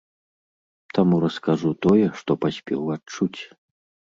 Таму раскажу тое, што паспеў адчуць.